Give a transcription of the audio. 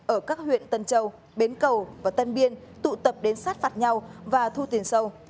ở các huyện tân châu bến cầu và tân biên tụ tập đến sát phạt nhau và thu tiền sâu